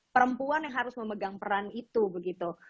perempuan yang harus memegang peran itu begitu